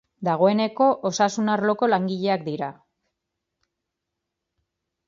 Dagoeneko osasun arloko langileak dira.